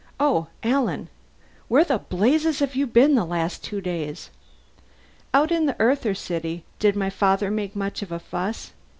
"Oh Alan. Where in blazes have you been the last two days?" "Out in the Earther city. Did my father make much of a fuss?"